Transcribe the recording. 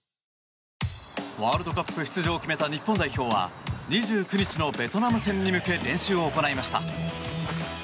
ワールドカップ出場を決めた日本代表は２９日のベトナム戦に向け練習を行いました。